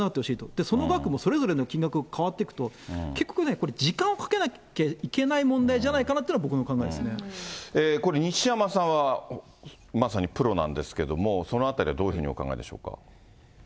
それもその額、それぞれで変わっていくと、結局ね、時間をかけなきゃいけない問題じゃないかなというのが僕の考えでこれ、西山さんはまさにプロなんですけども、そのあたりはどういうふうにお考えでしょうか。